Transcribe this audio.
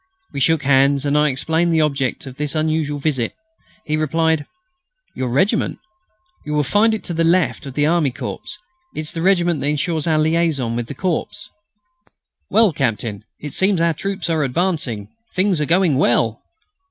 We shook hands, and I explained the object of this unusual visit. He replied: "Your regiment? You will find it to the left of the Army Corps. It's the regiment that ensures our liaison with the Corps." "Well, Captain, it seems our troops are advancing. Things are going well!"